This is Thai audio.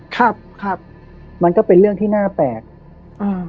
ครับครับมันก็เป็นเรื่องที่น่าแปลกอ่า